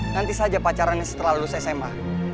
nanti saja pacaran ini setelah lulus sma